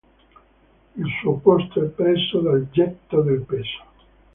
Il suo posto è preso dal Getto del peso.